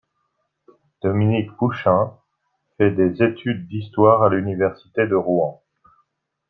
Dominique Pouchin fait des études d'histoire à l'Université de Rouen.